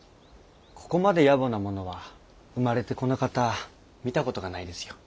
ここまで野暮なものは生まれてこの方見たことがないですよ。